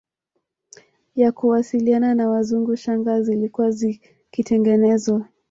ya kuwasiliana na Wazungu shanga zilikuwa zikitengenezwa